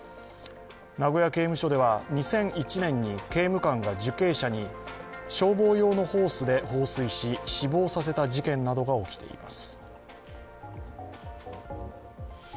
名古屋刑務所では２００１年に刑務官が受刑者に消防用のホースで放水し死亡させた事件などが起きています。